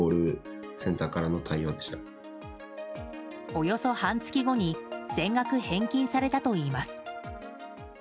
およそ半月後に全額返金されたといいます。